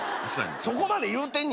そこまで言うてんねや俺。